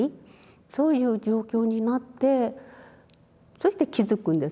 そういう状況になってそして気付くんですね。